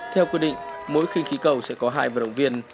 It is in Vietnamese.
theo quyết định mỗi khinh khí cầu sẽ có hai vận động viên